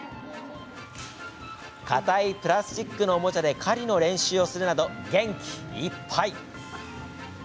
硬いプラスチックのおもちゃで狩りの練習をするなど元気いっぱい！